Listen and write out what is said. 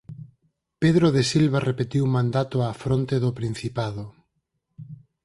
Pedro de Silva repetiu mandato á fronte do Principado.